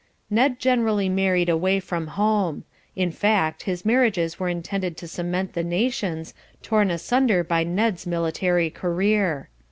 Ned generally married away from home. In fact his marriages were intended to cement the nations, torn asunder by Ned's military career.